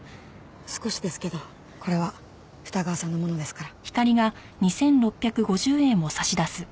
少しですけどこれは二川さんのものですから。